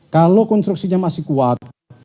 kalau konstruksinya masih kuat